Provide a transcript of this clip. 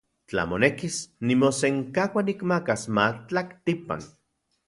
Tla monekis, nimosenkaua nikmakas matlaktipan.